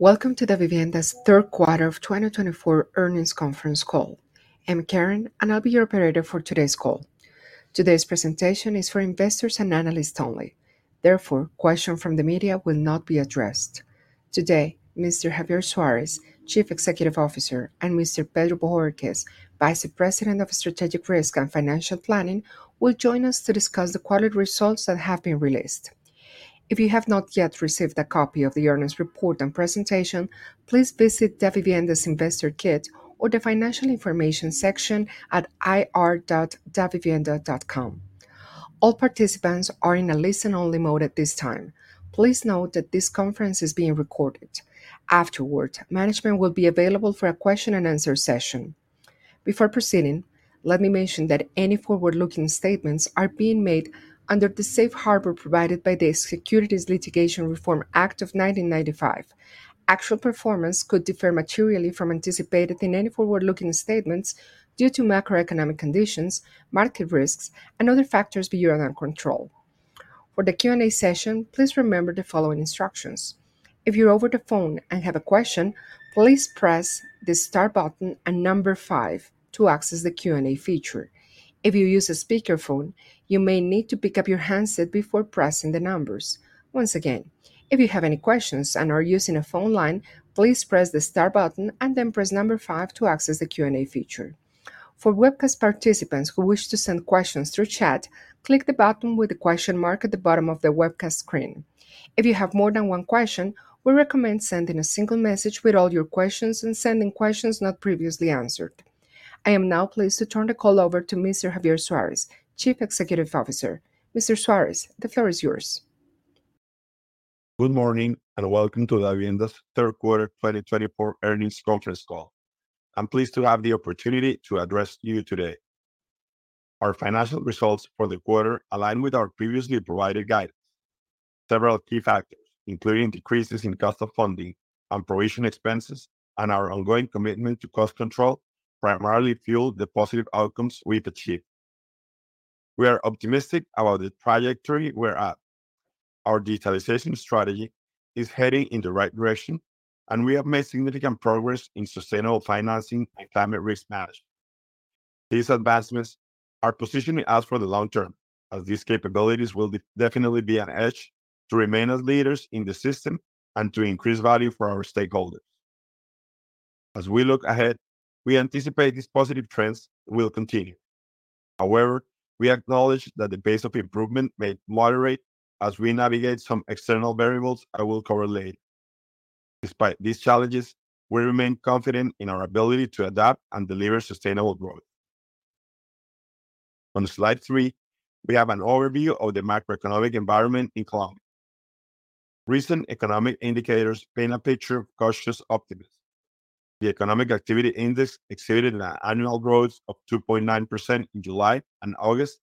Welcome to Davivienda's third quarter of 2024 earnings conference call. I'm Karen, and I'll be your operator for today's call. Today's presentation is for investors and analysts only. Therefore, questions from the media will not be addressed. Today, Mr. Javier Suárez, Chief Executive Officer, and Mr. Pedro Bohórquez, Vice President of Strategic Risk and Financial Planning, will join us to discuss the quarterly results that have been released. If you have not yet received a copy of the earnings report and presentation, please visit Davivienda's Investor Kit or the Financial Information section at ir.davivienda.com. All participants are in a listen-only mode at this time. Please note that this conference is being recorded. Afterward, management will be available for a question-and-answer session. Before proceeding, let me mention that any forward-looking statements are being made under the safe harbor provided by the Securities Litigation Reform Act of 1995. Actual performance could differ materially from anticipated in any forward-looking statements due to macroeconomic conditions, market risks, and other factors beyond our control. For the Q&A session, please remember the following instructions. If you're over the phone and have a question, please press the star button and number five to access the Q&A feature. If you use a speakerphone, you may need to pick up your handset before pressing the numbers. Once again, if you have any questions and are using a phone line, please press the star button and then press number five to access the Q&A feature. For webcast participants who wish to send questions through chat, click the button with the question mark at the bottom of the webcast screen. If you have more than one question, we recommend sending a single message with all your questions and sending questions not previously answered. I am now pleased to turn the call over to Mr. Javier Suárez, Chief Executive Officer. Mr. Suárez, the floor is yours. Good morning and welcome to Davivienda's third quarter 2024 earnings conference call. I'm pleased to have the opportunity to address you today. Our financial results for the quarter align with our previously provided guidance. Several key factors, including decreases in cost of funding and provision expenses and our ongoing commitment to cost control, primarily fuel the positive outcomes we've achieved. We are optimistic about the trajectory we're at. Our digitalization strategy is heading in the right direction, and we have made significant progress in sustainable financing and climate risk management. These advancements are positioning us for the long term, as these capabilities will definitely be an edge to remain as leaders in the system and to increase value for our stakeholders. As we look ahead, we anticipate these positive trends will continue. However, we acknowledge that the pace of improvement may moderate as we navigate some external variables I will cover later. Despite these challenges, we remain confident in our ability to adapt and deliver sustainable growth. On slide three, we have an overview of the macroeconomic environment in Colombia. Recent economic indicators paint a picture of cautious optimism. The Economic Activity Index exhibited an annual growth of 2.9% in July and August,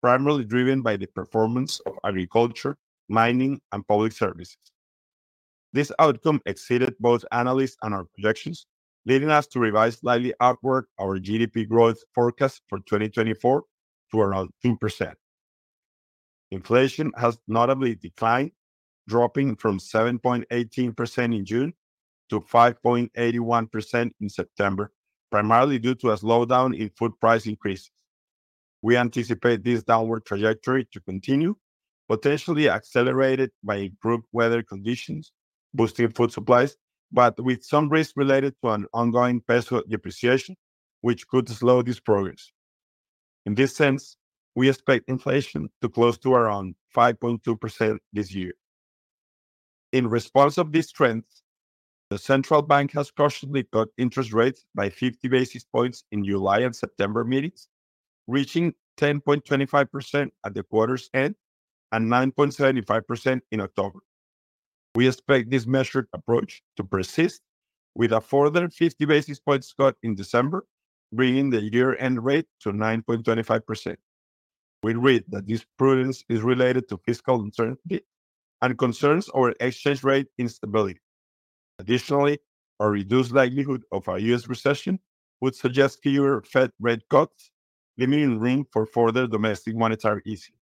primarily driven by the performance of agriculture, mining, and public services. This outcome exceeded both analysts' and our projections, leading us to revise slightly upward our GDP growth forecast for 2024 to around 2%. Inflation has notably declined, dropping from 7.18% in June to 5.81% in September, primarily due to a slowdown in food price increases. We anticipate this downward trajectory to continue, potentially accelerated by improved weather conditions boosting food supplies, but with some risk related to an ongoing peso depreciation, which could slow this progress. In this sense, we expect inflation to close to around 5.2% this year. In response to these trends, the Central Bank has cautiously cut interest rates by 50 basis points in July and September meetings, reaching 10.25% at the quarter's end and 9.75% in October. We expect this measured approach to persist, with a further 50 basis points cut in December, bringing the year-end rate to 9.25%. We read that this prudence is related to fiscal uncertainty and concerns over exchange rate instability. Additionally, a reduced likelihood of a U.S. recession would suggest fewer Fed rate cuts, limiting room for further domestic monetary easing.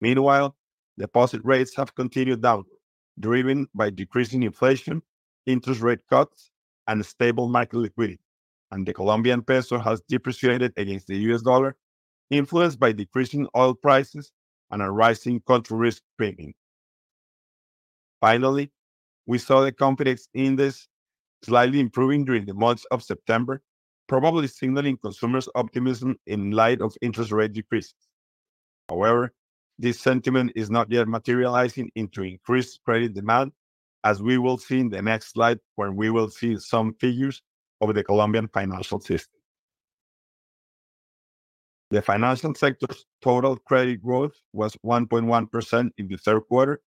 Meanwhile, deposit rates have continued downward, driven by decreasing inflation, interest rate cuts, and stable market liquidity, and the Colombian peso has depreciated against the U.S. dollar, influenced by decreasing oil prices and a rising country risk premium. Finally, we saw the confidence index slightly improving during the months of September, probably signaling consumers' optimism in light of interest rate decreases. However, this sentiment is not yet materializing into increased credit demand, as we will see in the next slide when we will see some figures of the Colombian financial system. The financial sector's total credit growth was 1.1% in the third quarter,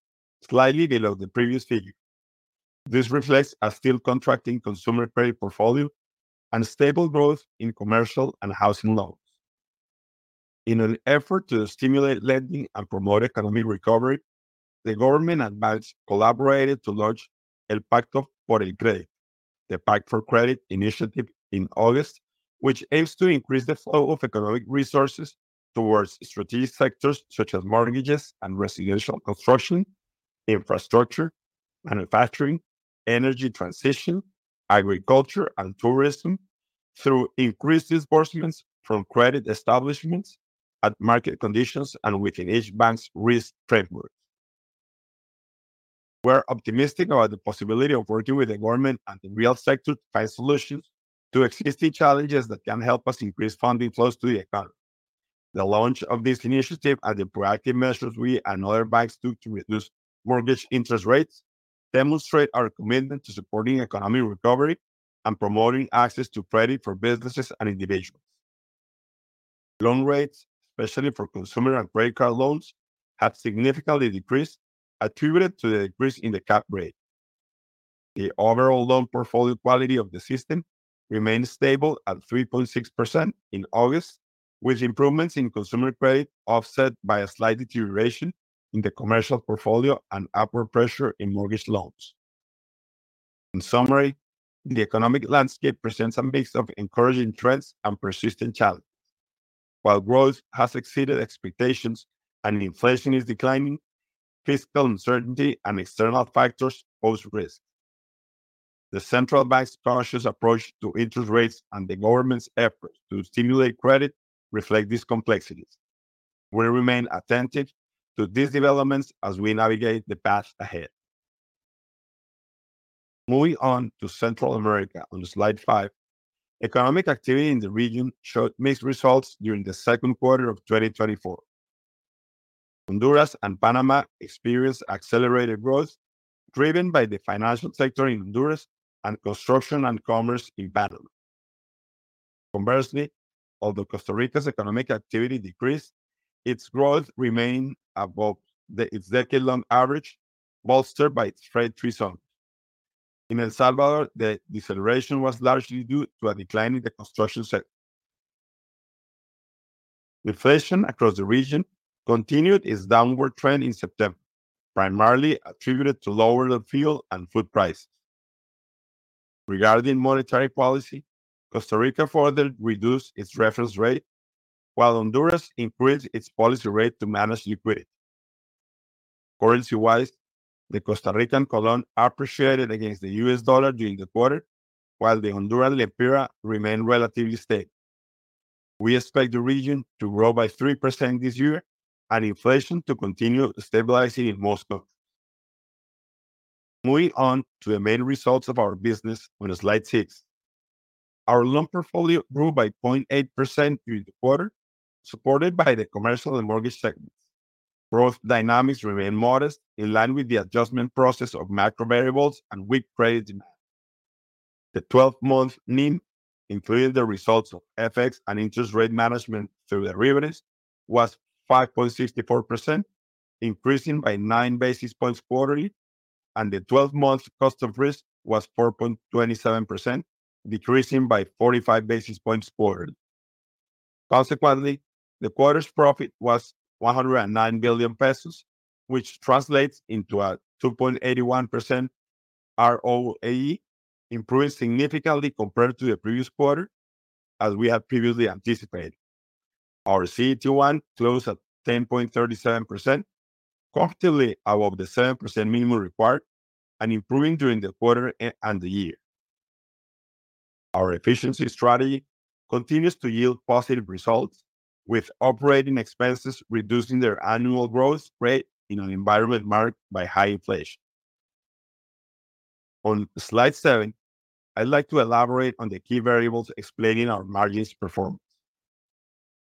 slightly below the previous figure. This reflects a still contracting consumer credit portfolio and stable growth in commercial and housing loans. In an effort to stimulate lending and promote economic recovery, the government and banks collaborated to launch El Pacto por el Crédito, the Pact for Credit initiative in August, which aims to increase the flow of economic resources towards strategic sectors such as mortgages and residential construction, infrastructure, manufacturing, energy transition, agriculture, and tourism through increased disbursements from credit establishments at market conditions and within each bank's risk framework. We're optimistic about the possibility of working with the government and the real sector to find solutions to existing challenges that can help us increase funding flows to the economy. The launch of this initiative and the proactive measures we and other banks took to reduce mortgage interest rates demonstrate our commitment to supporting economic recovery and promoting access to credit for businesses and individuals. Loan rates, especially for consumer and credit card loans, have significantly decreased, attributed to the decrease in the Cap Rate. The overall loan portfolio quality of the system remained stable at 3.6% in August, with improvements in consumer credit offset by a slight deterioration in the commercial portfolio and upward pressure in mortgage loans. In summary, the economic landscape presents a mix of encouraging trends and persistent challenges. While growth has exceeded expectations and inflation is declining, fiscal uncertainty and external factors pose risks. The central bank's cautious approach to interest rates and the government's efforts to stimulate credit reflect these complexities. We remain attentive to these developments as we navigate the path ahead. Moving on to Central America on slide five, economic activity in the region showed mixed results during the second quarter of 2024. Honduras and Panama experienced accelerated growth driven by the financial sector in Honduras and construction and commerce in Panama. Conversely, although Costa Rica's economic activity decreased, its growth remained above its decade-long average, bolstered by its trade results. In El Salvador, the deceleration was largely due to a decline in the construction sector. Inflation across the region continued its downward trend in September, primarily attributed to lower fuel and food prices. Regarding monetary policy, Costa Rica further reduced its reference rate, while Honduras increased its policy rate to manage liquidity. Currency-wise, the Costa Rican colón appreciated against the U.S. dollar during the quarter, while the Honduran lempira remained relatively stable. We expect the region to grow by 3% this year and inflation to continue stabilizing in most countries. Moving on to the main results of our business on slide six. Our loan portfolio grew by 0.8% during the quarter, supported by the commercial and mortgage segments. Growth dynamics remain modest, in line with the adjustment process of macro variables and weak credit demand. The 12-month NIM, including the results of FX and interest rate management through derivatives, was 5.64%, increasing by 9 basis points quarterly, and the 12-month cost of risk was 4.27%, decreasing by 45 basis points quarterly. Consequently, the quarter's profit was COP 109 billion, which translates into a 2.81% ROAE, improving significantly compared to the previous quarter, as we had previously anticipated. Our CET1 closed at 10.37%, comfortably above the 7% minimum required and improving during the quarter and the year. Our efficiency strategy continues to yield positive results, with operating expenses reducing their annual growth rate in an environment marked by high inflation. On slide seven, I'd like to elaborate on the key variables explaining our margins' performance.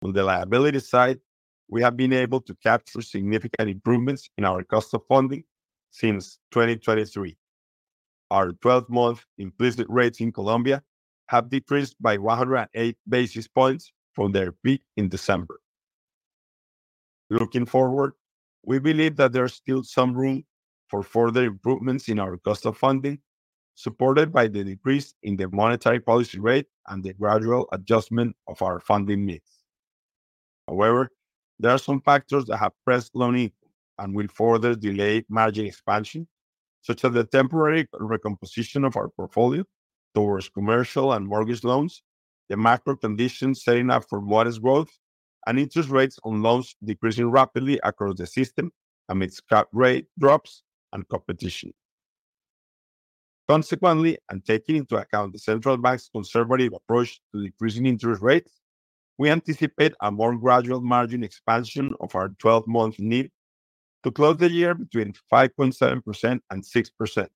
On the liability side, we have been able to capture significant improvements in our cost of funding since 2023. Our 12-month implicit rates in Colombia have decreased by 108 basis points from their peak in December. Looking forward, we believe that there's still some room for further improvements in our cost of funding, supported by the decrease in the monetary policy rate and the gradual adjustment of our funding needs. However, there are some factors that have pressed loan income and will further delay margin expansion, such as the temporary recomposition of our portfolio towards commercial and mortgage loans, the macro conditions setting up for modest growth, and interest rates on loans decreasing rapidly across the system amidst cap rate drops and competition. Consequently, and taking into account the central bank's conservative approach to decreasing interest rates, we anticipate a more gradual margin expansion of our 12-month NIM to close the year between 5.7% and 6%.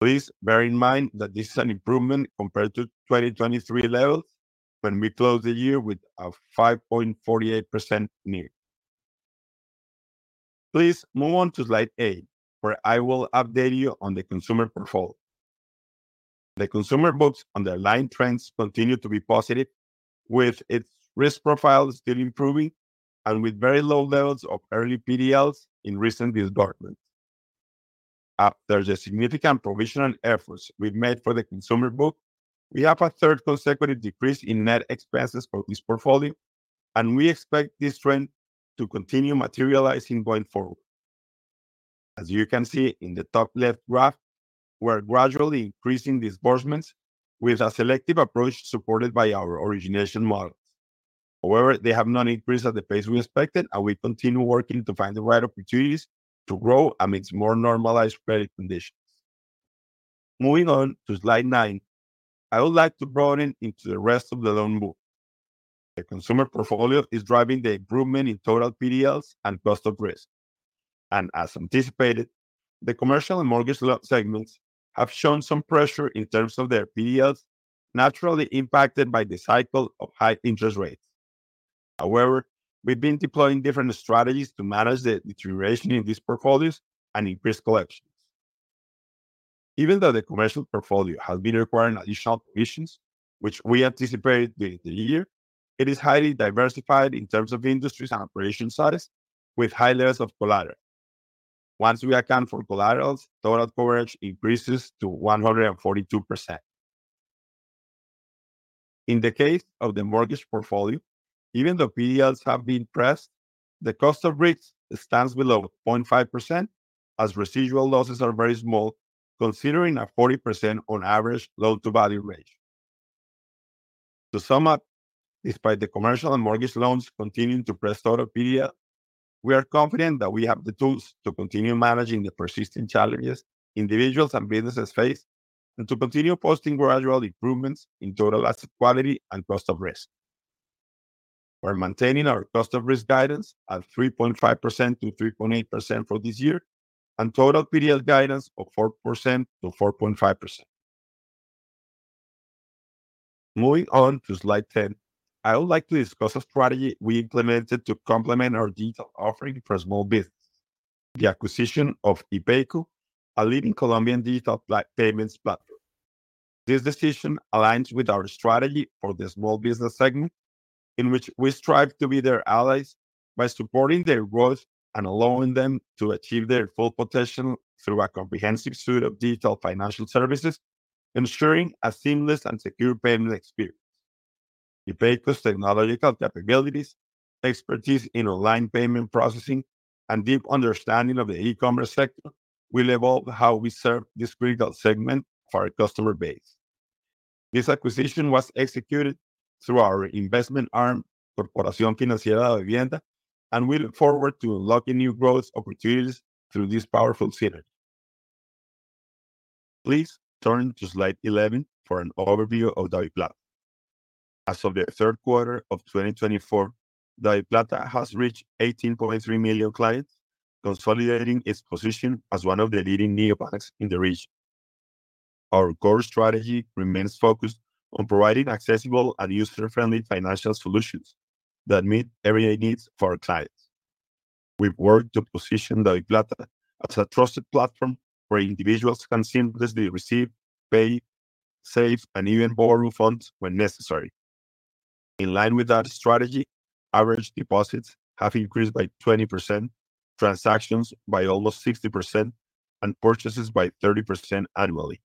Please bear in mind that this is an improvement compared to 2023 levels when we closed the year with a 5.48% NIM. Please move on to slide eight, where I will update you on the consumer portfolio. The consumer books underlying trends continue to be positive, with its risk profile still improving and with very low levels of early PDLs in recent disbursements. After the significant provisional efforts we've made for the consumer book, we have a third consecutive decrease in net expenses for this portfolio, and we expect this trend to continue materializing going forward. As you can see in the top left graph, we're gradually increasing disbursements with a selective approach supported by our origination models. However, they have not increased at the pace we expected, and we continue working to find the right opportunities to grow amidst more normalized credit conditions. Moving on to slide nine, I would like to broaden into the rest of the loan book. The consumer portfolio is driving the improvement in total PDLs and cost of risk. And as anticipated, the commercial and mortgage loan segments have shown some pressure in terms of their PDLs, naturally impacted by the cycle of high interest rates. However, we've been deploying different strategies to manage the deterioration in these portfolios and increase collections. Even though the commercial portfolio has been requiring additional provisions, which we anticipated during the year, it is highly diversified in terms of industries and operation size, with high levels of collateral. Once we account for collaterals, total coverage increases to 142%. In the case of the mortgage portfolio, even though PDLs have been pressed, the cost of risk stands below 0.5% as residual losses are very small, considering a 40% on average loan-to-value ratio. To sum up, despite the commercial and mortgage loans continuing to press total PDL, we are confident that we have the tools to continue managing the persistent challenges individuals and businesses face and to continue posting gradual improvements in total asset quality and cost of risk. We're maintaining our cost of risk guidance at 3.5%-3.8% for this year and total PDL guidance of 4%-4.5%. Moving on to slide 10, I would like to discuss a strategy we implemented to complement our digital offering for small businesses: the acquisition of IPECO, a leading Colombian digital payments platform. This decision aligns with our strategy for the small business segment, in which we strive to be their allies by supporting their growth and allowing them to achieve their full potential through a comprehensive suite of digital financial services, ensuring a seamless and secure payment experience. IPECO's technological capabilities, expertise in online payment processing, and deep understanding of the e-commerce sector will evolve how we serve this critical segment of our customer base. This acquisition was executed through our investment arm, Corporación Financiera de Vivienda, and we look forward to unlocking new growth opportunities through this powerful synergy. Please turn to slide 11 for an overview of DaviPlata. As of the third quarter of 2024, DaviPlata has reached 18.3 million clients, consolidating its position as one of the leading neobanks in the region. Our core strategy remains focused on providing accessible and user-friendly financial solutions that meet everyday needs of our clients. We've worked to position DaviPlata as a trusted platform where individuals can seamlessly receive, pay, save, and even borrow funds when necessary. In line with that strategy, average deposits have increased by 20%, transactions by almost 60%, and purchases by 30% annually.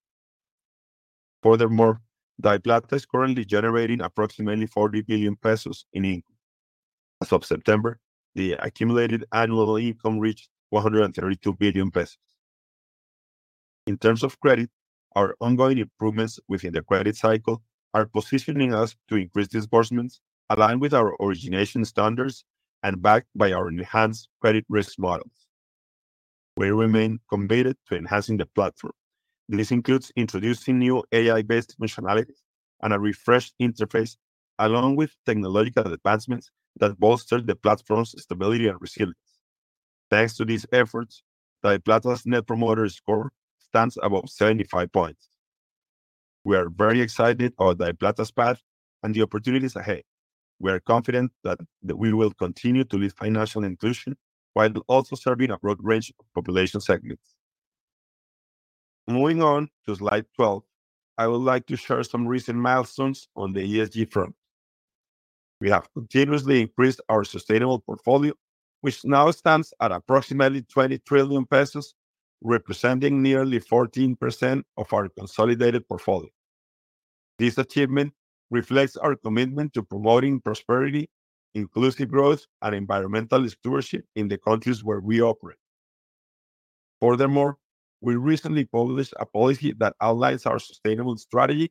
Furthermore, DaviPlata is currently generating approximately COP 40 billion in income. As of September, the accumulated annual income reached COP 132 billion. In terms of credit, our ongoing improvements within the credit cycle are positioning us to increase disbursements, aligned with our origination standards and backed by our enhanced credit risk models. We remain committed to enhancing the platform. This includes introducing new AI-based functionalities and a refreshed interface, along with technological advancements that bolster the platform's stability and resilience. Thanks to these efforts, DaviPlata's net promoter score stands above 75 points. We are very excited about DaviPlata's path and the opportunities ahead. We are confident that we will continue to lead financial inclusion while also serving a broad range of population segments. Moving on to slide 12, I would like to share some recent milestones on the ESG front. We have continuously increased our sustainable portfolio, which now stands at approximately COP 20 trillion, representing nearly 14% of our consolidated portfolio. This achievement reflects our commitment to promoting prosperity, inclusive growth, and environmental stewardship in the countries where we operate. Furthermore, we recently published a policy that outlines our sustainable strategy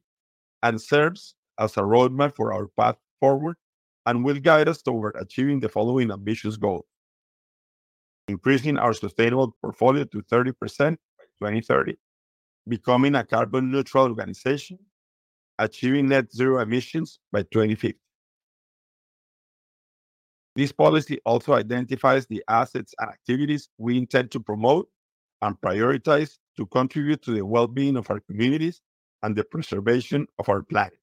and serves as a roadmap for our path forward and will guide us toward achieving the following ambitious goals: increasing our sustainable portfolio to 30% by 2030, becoming a carbon-neutral organization, and achieving net zero emissions by 2050. This policy also identifies the assets and activities we intend to promote and prioritize to contribute to the well-being of our communities and the preservation of our planet.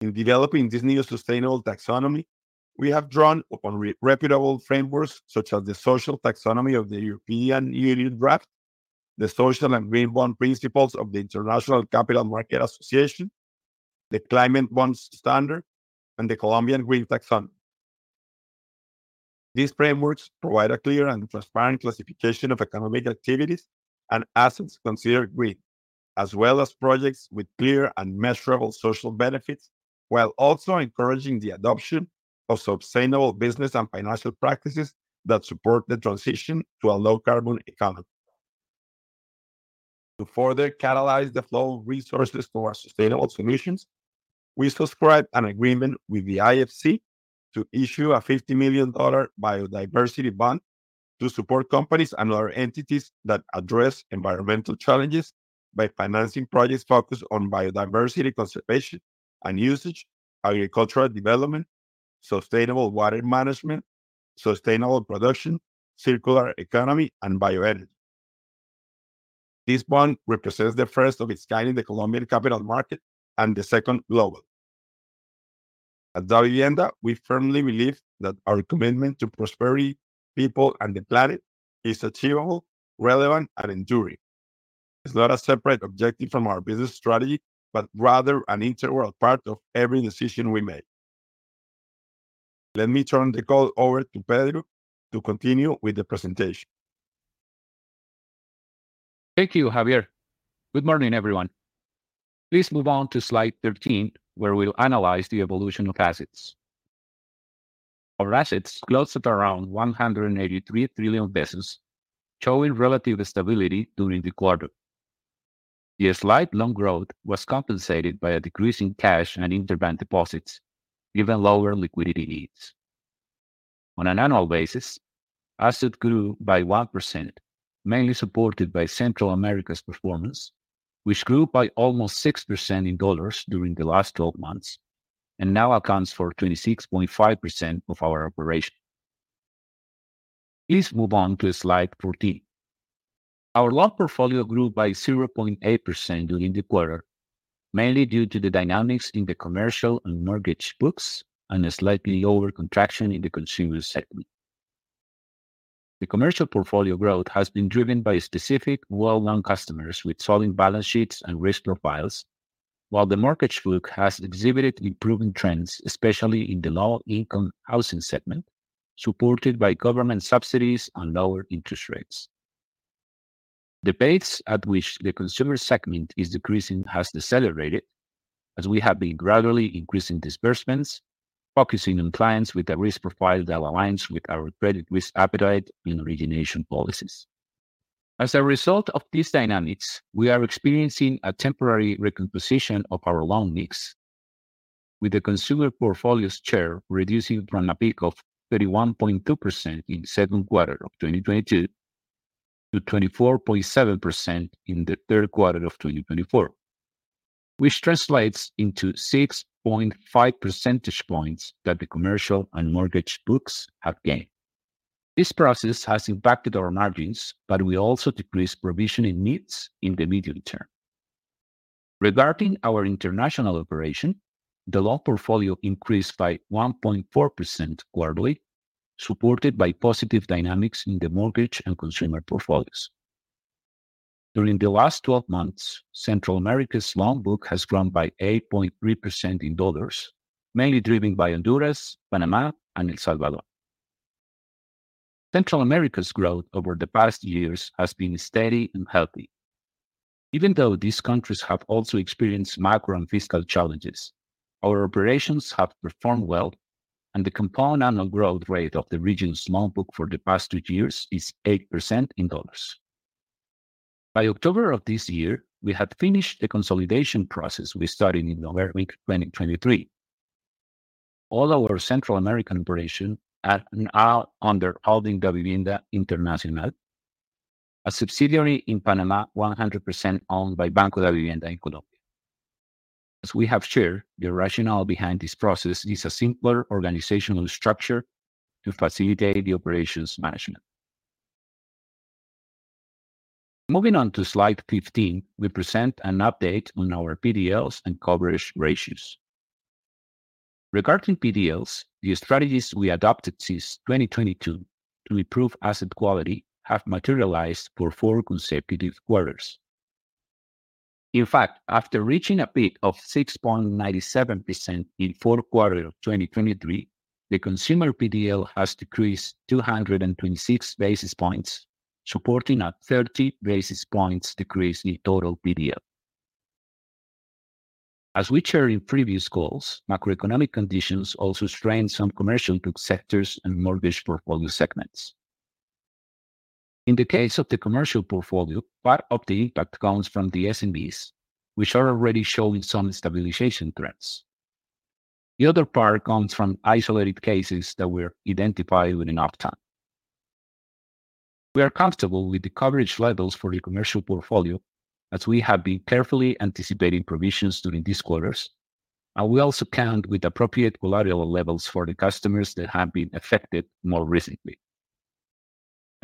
In developing this new sustainable taxonomy, we have drawn upon reputable frameworks such as the Social Taxonomy of the European Union draft, the Social and Green Bond principles of the International Capital Market Association, the Climate Bonds Standard, and the Colombian Green Taxonomy. These frameworks provide a clear and transparent classification of economic activities and assets considered green, as well as projects with clear and measurable social benefits, while also encouraging the adoption of sustainable business and financial practices that support the transition to a low-carbon economy. To further catalyze the flow of resources towards sustainable solutions, we subscribed an agreement with the IFC to issue a $50 million biodiversity bond to support companies and other entities that address environmental challenges by financing projects focused on biodiversity conservation and usage, agricultural development, sustainable water management, sustainable production, circular economy, and bioenergy. This bond represents the first of its kind in the Colombian capital market and the second globally. At Davivienda, we firmly believe that our commitment to prosperity, people, and the planet is achievable, relevant, and enduring. It's not a separate objective from our business strategy, but rather an integral part of every decision we make. Let me turn the call over to Pedro to continue with the presentation. Thank you, Javier. Good morning, everyone. Please move on to slide 13, where we'll analyze the evolution of assets. Our assets close at around COP 183 trillion, showing relative stability during the quarter. The slight loan growth was compensated by a decrease in cash and interbank deposits, given lower liquidity needs. On an annual basis, assets grew by 1%, mainly supported by Central America's performance, which grew by almost 6% in dollars during the last 12 months and now accounts for 26.5% of our operation. Please move on to slide 14. Our loan portfolio grew by 0.8% during the quarter, mainly due to the dynamics in the commercial and mortgage books and a slightly lower contraction in the consumer segment. The commercial portfolio growth has been driven by specific well-known customers with solid balance sheets and risk profiles, while the mortgage book has exhibited improving trends, especially in the low-income housing segment, supported by government subsidies and lower interest rates. The pace at which the consumer segment is decreasing has decelerated, as we have been gradually increasing disbursements, focusing on clients with a risk profile that aligns with our credit risk appetite and origination policies. As a result of these dynamics, we are experiencing a temporary recomposition of our loan mix, with the consumer portfolio's share reducing from a peak of 31.2% in the second quarter of 2022 to 24.7% in the third quarter of 2024, which translates into 6.5 percentage points that the commercial and mortgage books have gained. This process has impacted our margins, but we also decreased provisioning needs in the medium term. Regarding our international operation, the loan portfolio increased by 1.4% quarterly, supported by positive dynamics in the mortgage and consumer portfolios. During the last 12 months, Central America's loan book has grown by 8.3% in dollars, mainly driven by Honduras, Panama, and El Salvador. Central America's growth over the past years has been steady and healthy. Even though these countries have also experienced macro and fiscal challenges, our operations have performed well, and the compound annual growth rate of the region's loan book for the past two years is 8% in dollars. By October of this year, we had finished the consolidation process we started in November 2023. All our Central American operations are now under Holding Davivienda Internacional, a subsidiary in Panama 100% owned by Banco Davivienda in Colombia. As we have shared, the rationale behind this process is a simpler organizational structure to facilitate the operations management. Moving on to slide 15, we present an update on our PDLs and coverage ratios. Regarding PDLs, the strategies we adopted since 2022 to improve asset quality have materialized for four consecutive quarters. In fact, after reaching a peak of 6.97% in the fourth quarter of 2023, the consumer PDL has decreased 226 basis points, supporting a 30 basis points decrease in total PDL. As we shared in previous calls, macroeconomic conditions also strained some commercial book sectors and mortgage portfolio segments. In the case of the commercial portfolio, part of the impact comes from the SMBs, which are already showing some stabilization trends. The other part comes from isolated cases that were identified within uptime. We are comfortable with the coverage levels for the commercial portfolio, as we have been carefully anticipating provisions during these quarters, and we also count with appropriate collateral levels for the customers that have been affected more recently.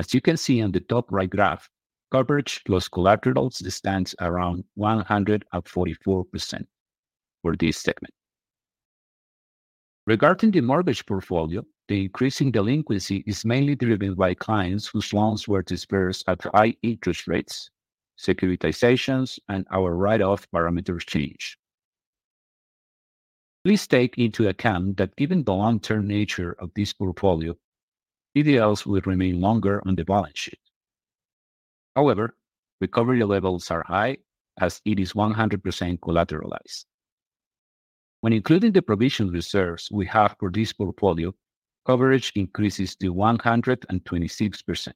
As you can see on the top right graph, coverage plus collaterals stands around 144% for this segment. Regarding the mortgage portfolio, the increasing delinquency is mainly driven by clients whose loans were disbursed at high interest rates, securitizations, and our write-off parameters change. Please take into account that given the long-term nature of this portfolio, PDLs will remain longer on the balance sheet. However, recovery levels are high, as it is 100% collateralized. When including the provision reserves we have for this portfolio, coverage increases to 126%.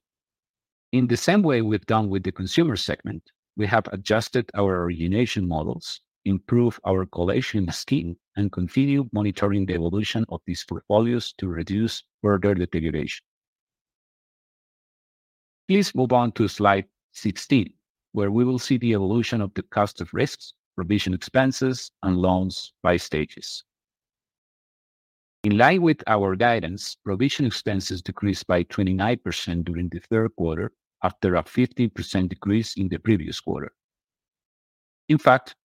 In the same way we've done with the consumer segment, we have adjusted our origination models, improved our collection scheme, and continued monitoring the evolution of these portfolios to reduce further deterioration. Please move on to slide 16, where we will see the evolution of the cost of risks, provision expenses, and loans by stages. In line with our guidance, provision expenses decreased by 29% during the third quarter after a 15% decrease in the previous quarter. In fact,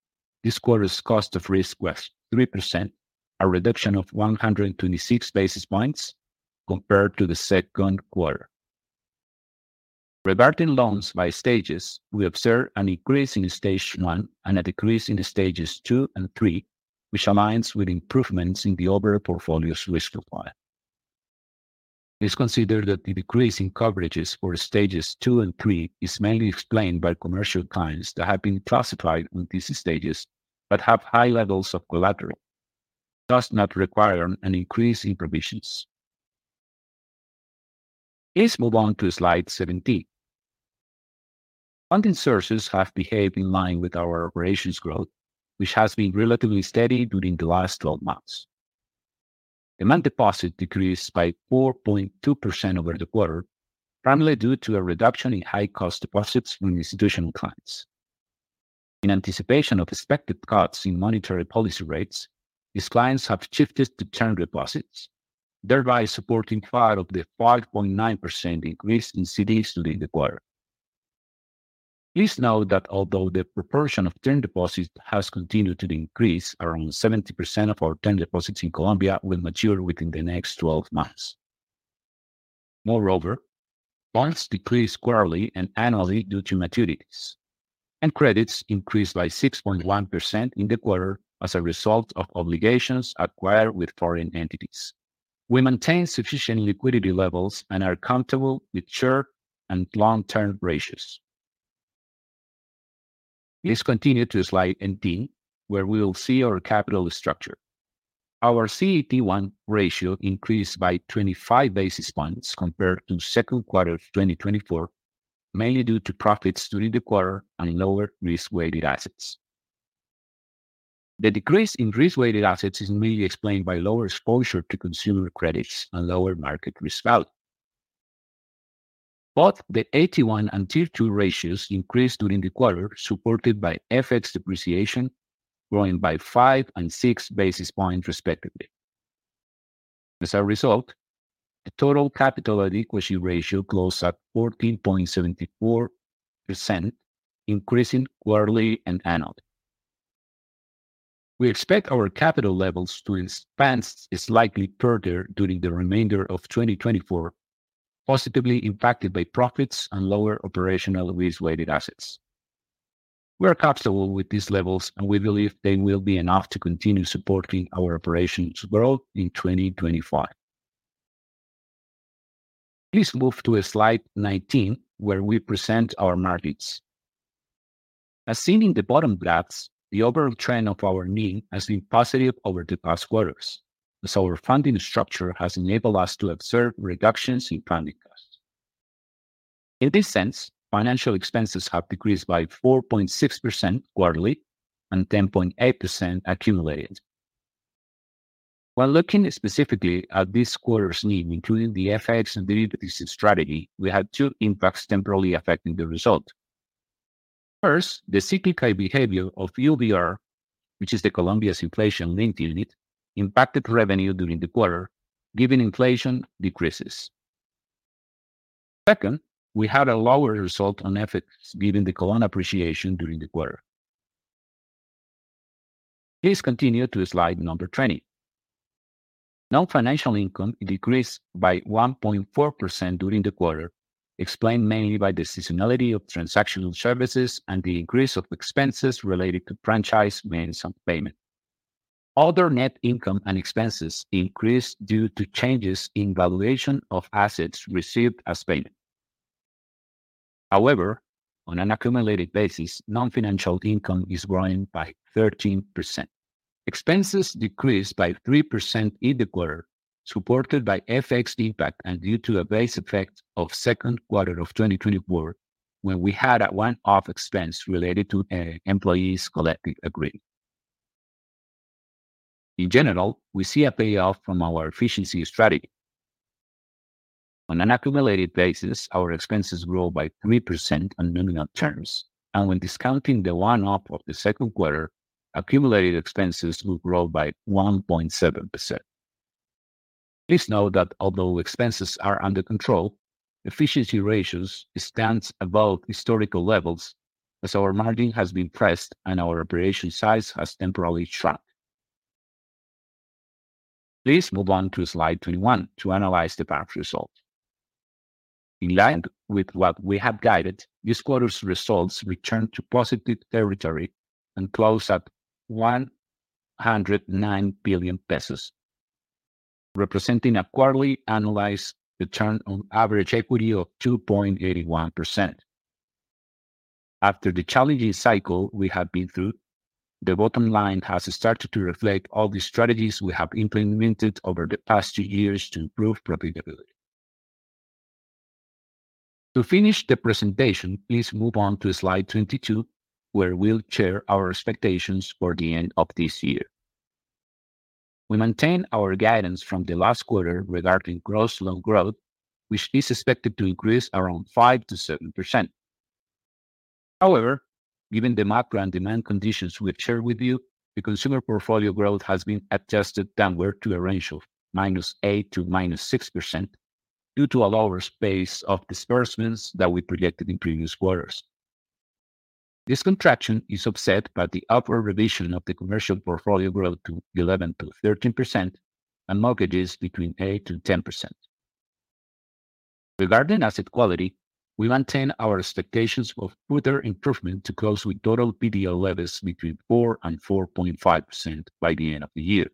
this quarter's cost of risk was 3%, a reduction of 126 basis points compared to the second quarter. Regarding loans by stages, we observed an increase in stage one and a decrease in stages two and three, which aligns with improvements in the overall portfolio's risk profile. Please consider that the decrease in coverages for stages two and three is mainly explained by commercial clients that have been classified on these stages but have high levels of collateral, thus not requiring an increase in provisions. Please move on to slide 17. Funding sources have behaved in line with our operations growth, which has been relatively steady during the last 12 months. Demand deposits decreased by 4.2% over the quarter, primarily due to a reduction in high-cost deposits from institutional clients. In anticipation of expected cuts in monetary policy rates, these clients have shifted to term deposits, thereby supporting part of the 5.9% increase in CDs during the quarter. Please note that although the proportion of term deposits has continued to increase, around 70% of our term deposits in Colombia will mature within the next 12 months. Moreover, bonds decreased quarterly and annually due to maturities, and credits increased by 6.1% in the quarter as a result of obligations acquired with foreign entities. We maintain sufficient liquidity levels and are comfortable with short and long-term ratios. Please continue to slide 18, where we will see our capital structure. Our CET1 ratio increased by 25 basis points compared to the second quarter of 2024, mainly due to profits during the quarter and lower risk-weighted assets. The decrease in risk-weighted assets is mainly explained by lower exposure to consumer credits and lower market risk value. Both the CET1 and Tier 2 ratios increased during the quarter, supported by FX depreciation, growing by 5 and 6 basis points, respectively. As a result, the total capital equity ratio closed at 14.74%, increasing quarterly and annually. We expect our capital levels to expand slightly further during the remainder of 2024, positively impacted by profits and lower operational risk-weighted assets. We are comfortable with these levels, and we believe they will be enough to continue supporting our operations growth in 2025. Please move to slide 19, where we present our margins. As seen in the bottom graphs, the overall trend of our NIM has been positive over the past quarters, as our funding structure has enabled us to observe reductions in funding costs. In this sense, financial expenses have decreased by 4.6% quarterly and 10.8% accumulated. When looking specifically at this quarter's NIM, including the FX and derivatives strategy, we had two impacts temporarily affecting the result. First, the cyclical behavior of UBR, which is Colombia's inflation-linked unit, impacted revenue during the quarter, given inflation decreases. Second, we had a lower result on FX, given the COP appreciation during the quarter. Please continue to slide number 20. Non-financial income decreased by 1.4% during the quarter, explained mainly by the seasonality of transactional services and the increase of expenses related to franchise maintenance and payment. Other net income and expenses increased due to changes in valuation of assets received as payment. However, on an accumulated basis, non-financial income is growing by 13%. Expenses decreased by 3% in the quarter, supported by FX impact and due to a base effect of the second quarter of 2024, when we had a one-off expense related to employees' collective agreement. In general, we see a payoff from our efficiency strategy. On an accumulated basis, our expenses grew by 3% on nominal terms, and when discounting the one-off of the second quarter, accumulated expenses will grow by 1.7%. Please note that although expenses are under control, efficiency ratios stand above historical levels, as our margin has been pressed and our operation size has temporarily shrunk. Please move on to slide 21 to analyze the bank's result. In line with what we have guided, this quarter's results returned to positive territory and closed at COP 109 billion, representing a quarterly annualized return on average equity of 2.81%. After the challenging cycle we have been through, the bottom line has started to reflect all the strategies we have implemented over the past two years to improve profitability. To finish the presentation, please move on to slide 22, where we'll share our expectations for the end of this year. We maintain our guidance from the last quarter regarding gross loan growth, which is expected to increase around 5%-7%. However, given the macro and demand conditions we've shared with you, the consumer portfolio growth has been adjusted downward to a range of -8% to -6% due to a lower space of disbursements that we projected in previous quarters. This contraction is offset by the upward revision of the commercial portfolio growth to 11%-13% and mortgages between 8%-10%. Regarding asset quality, we maintain our expectations of further improvement to close with total PDL levels between 4% and 4.5% by the end of the year.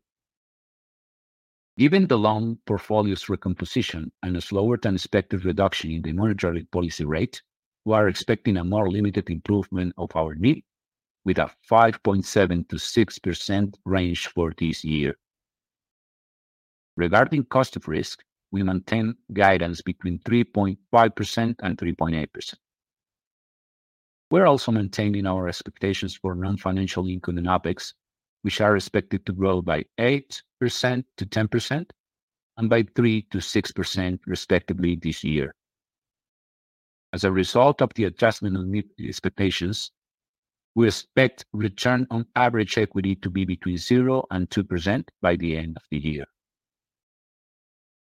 Given the loan portfolio's recomposition and a slower than expected reduction in the monetary policy rate, we are expecting a more limited improvement of our NIM, with a 5.7%-6% range for this year. Regarding cost of risk, we maintain guidance between 3.5% and 3.8%. We're also maintaining our expectations for non-financial income in APEX, which are expected to grow by 8%-10% and by 3%-6%, respectively, this year. As a result of the adjustment of NIM expectations, we expect return on average equity to be between 0% and 2% by the end of the year.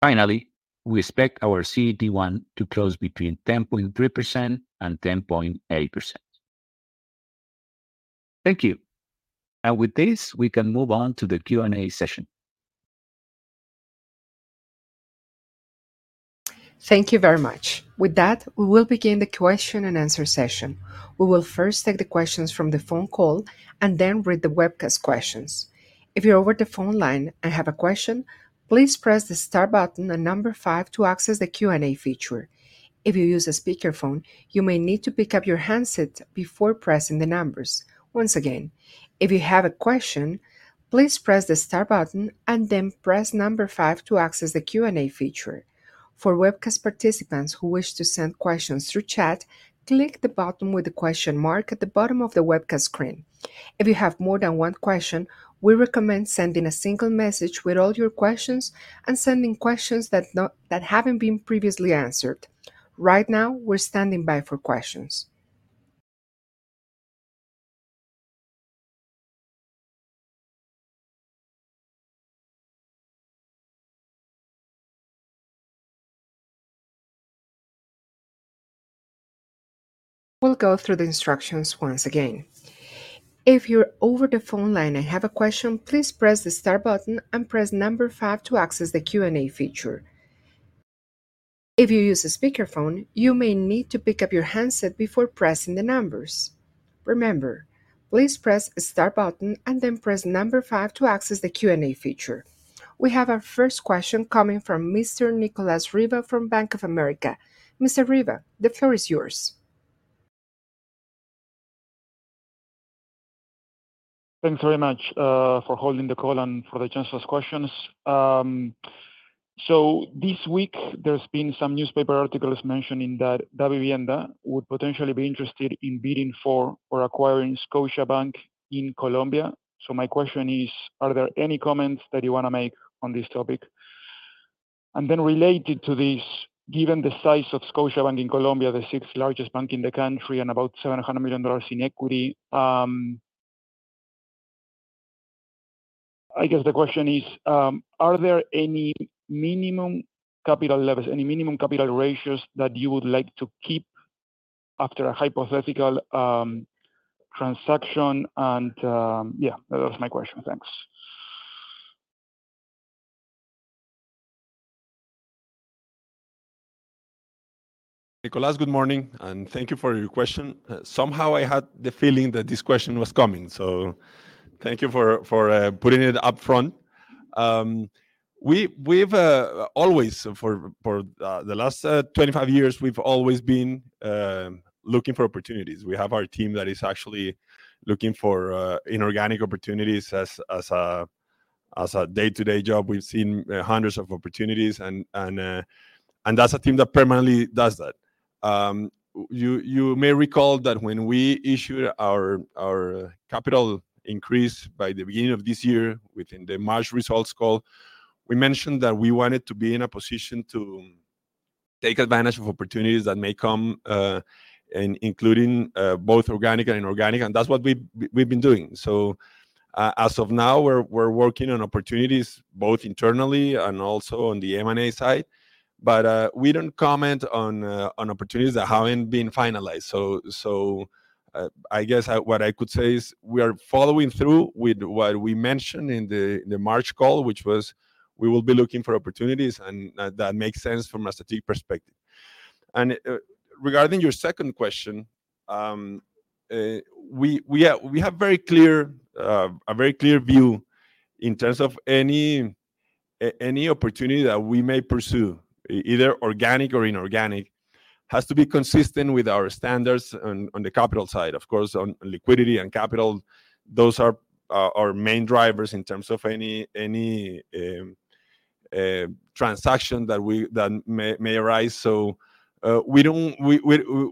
Finally, we expect our CET1 to close between 10.3% and 10.8%. Thank you. With this, we can move on to the Q&A session. Thank you very much. With that, we will begin the question and answer session. We will first take the questions from the phone call and then read the webcast questions. If you're over the phone line and have a question, please press the star button and number five to access the Q&A feature. If you use a speakerphone, you may need to pick up your handset before pressing the numbers. Once again, if you have a question, please press the star button and then press number five to access the Q&A feature. For webcast participants who wish to send questions through chat, click the button with the question mark at the bottom of the webcast screen. If you have more than one question, we recommend sending a single message with all your questions and sending questions that haven't been previously answered. Right now, we're standing by for questions. We'll go through the instructions once again. If you're over the phone line and have a question, please press the star button and press number five to access the Q&A feature. If you use a speakerphone, you may need to pick up your handset before pressing the numbers. Remember, please press the star button and then press number five to access the Q&A feature. We have our first question coming from Mr. Nicolas Riva from Bank of America. Mr. Riva, the floor is yours. Thank you very much for holding the call and for the chance to ask questions, so this week, there's been some newspaper articles mentioning that Davivienda would potentially be interested in bidding for or acquiring Scotiabank in Colombia. So my question is, are there any comments that you want to make on this topic? And then related to this, given the size of Scotiabank in Colombia, the sixth largest bank in the country and about $700 million in equity, I guess the question is, are there any minimum capital levels, any minimum capital ratios that you would like to keep after a hypothetical transaction? And yeah, that was my question. Thanks. Nicholas, good morning, and thank you for your question. Somehow, I had the feeling that this question was coming, so thank you for putting it upfront. We've always, for the last 25 years, we've always been looking for opportunities. We have our team that is actually looking for inorganic opportunities as a day-to-day job. We've seen hundreds of opportunities, and that's a team that permanently does that. You may recall that when we issued our capital increase by the beginning of this year within the March results call, we mentioned that we wanted to be in a position to take advantage of opportunities that may come, including both organic and inorganic, and that's what we've been doing. So as of now, we're working on opportunities both internally and also on the M&A side, but we don't comment on opportunities that haven't been finalized. So I guess what I could say is we are following through with what we mentioned in the March call, which was we will be looking for opportunities, and that makes sense from a strategic perspective. And regarding your second question, we have a very clear view in terms of any opportunity that we may pursue, either organic or inorganic, has to be consistent with our standards on the capital side. Of course, on liquidity and capital, those are our main drivers in terms of any transaction that may arise. So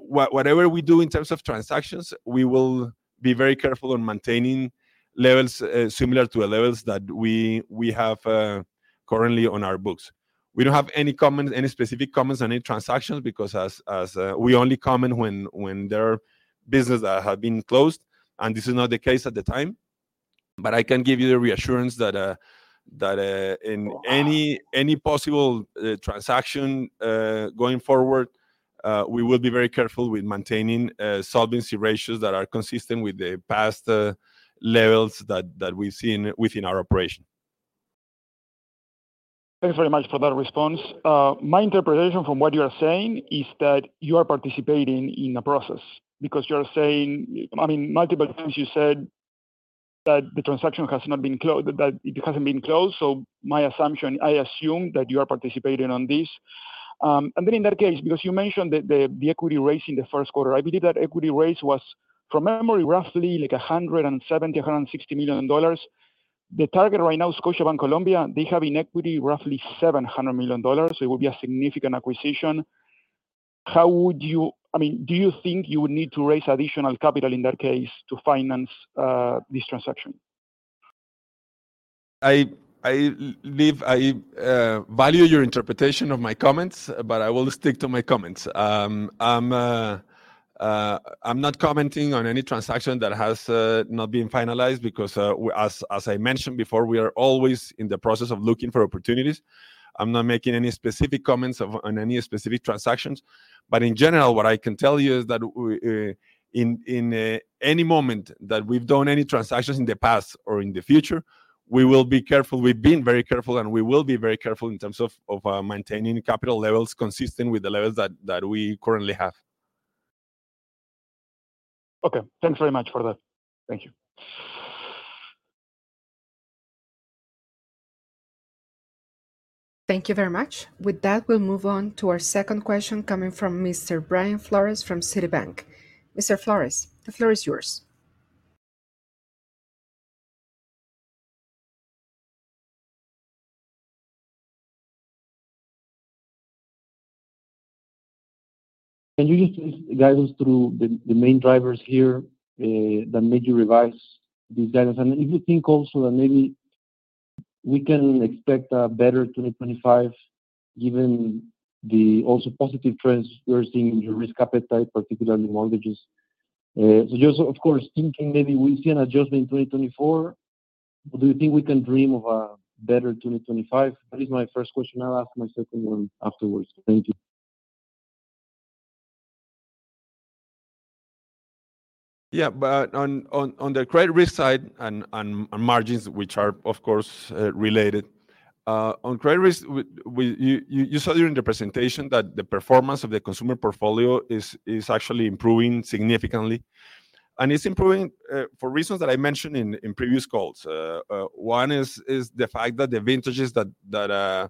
whatever we do in terms of transactions, we will be very careful on maintaining levels similar to the levels that we have currently on our books. We don't have any comments, any specific comments on any transactions because we only comment when there are businesses that have been closed, and this is not the case at the time. But I can give you the reassurance that in any possible transaction going forward, we will be very careful with maintaining solvency ratios that are consistent with the past levels that we've seen within our operation. Thank you very much for that response. My interpretation from what you are saying is that you are participating in a process because you're saying, I mean, multiple times you said that the transaction has not been closed, that it hasn't been closed. So my assumption, I assume that you are participating in this. And then in that case, because you mentioned the equity raise in the first quarter, I believe that equity raise was, from memory, roughly like $160 million-$170 million. The target right now is Scotiabank Colombia. They have in equity roughly $700 million, so it would be a significant acquisition. How would you, I mean, do you think you would need to raise additional capital in that case to finance this transaction? I value your interpretation of my comments, but I will stick to my comments. I'm not commenting on any transaction that has not been finalized because, as I mentioned before, we are always in the process of looking for opportunities. I'm not making any specific comments on any specific transactions. But in general, what I can tell you is that in any moment that we've done any transactions in the past or in the future, we will be careful. We've been very careful, and we will be very careful in terms of maintaining capital levels consistent with the levels that we currently have. Okay. Thanks very much for that. Thank you. Thank you very much. With that, we'll move on to our second question coming from Mr. Brian Flores from Citibank. Mr. Flores, the floor is yours. Can you just guide us through the main drivers here that made you revise these guidance? And if you think also that maybe we can expect a better 2025 given the also positive trends we're seeing in your risk appetite, particularly mortgages. So just, of course, thinking maybe we see an adjustment in 2024, but do you think we can dream of a better 2025? That is my first question. I'll ask my second one afterwards. Thank you. Yeah. But on the credit risk side and margins, which are, of course, related, on credit risk, you saw during the presentation that the performance of the consumer portfolio is actually improving significantly. And it's improving for reasons that I mentioned in previous calls. One is the fact that the vintages that